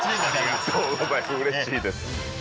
うれしいです。